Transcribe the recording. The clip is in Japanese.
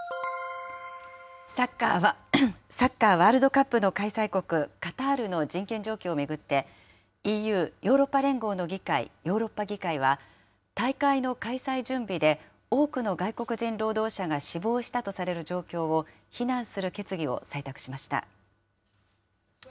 サッカーワールドカップの開催国、カタールの人権状況を巡って、ＥＵ・ヨーロッパ連合の議会、ヨーロッパ議会は、大会の開催準備で多くの外国人労働者が死亡したとされる状況を非難する決議を採択しました。